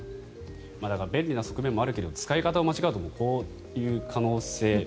便利な側面もあるけど使い方を間違うとこういう可能性。